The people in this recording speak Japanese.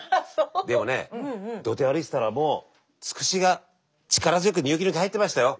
でもね土手歩いてたらもうつくしが力強くニョキニョキ生えてましたよ。